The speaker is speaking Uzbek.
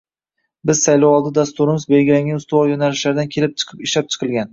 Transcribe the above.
Biz saylovoldi dasturimiz belgilangan ustuvor yo‘nalishlardan kelib chiqib ishlab chiqilgan